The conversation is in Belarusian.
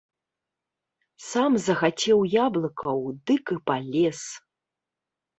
Сам захацеў яблыкаў, дык і палез!